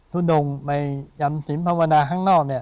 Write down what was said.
ทุดงไปยำสินภาวนาข้างนอก